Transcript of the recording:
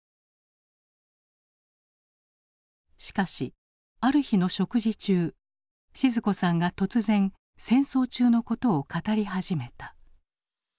しかしある日の食事中靜子さんが突然戦争中のことを語り始めた。